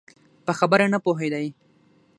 په خبره نه پوهېدی؟